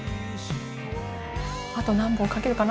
あと何本描けるかな？